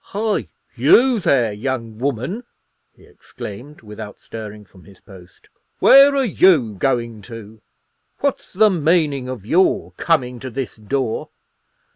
"Hi, you there, young woman!" he exclaimed, without stirring from his post; "where are you going to? What's the meaning of your coming to this door?